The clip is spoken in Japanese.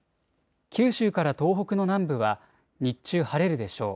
九州から東北の南部は日中晴れるでしょう。